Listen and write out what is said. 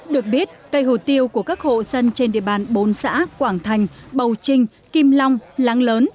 được biết cây hồ tiêu của các hộ dân trên địa bàn bốn xã quảng thành bầu trinh kim long láng lớn